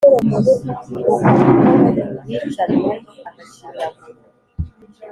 Ibuka uko bicanywe agashinyaguro